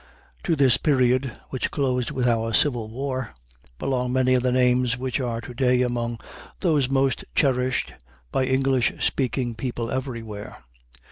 To this period, which closed with our civil war, belong many of the names which are to day among those most cherished by English speaking people everywhere.